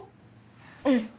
うん。